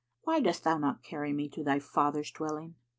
Why dost thou not carry me to thy father's dwelling?"